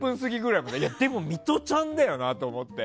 いや、でもミトちゃんだよなと思って。